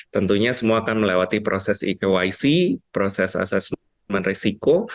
tentunya semua akan melewati proses ekyc proses assessment risiko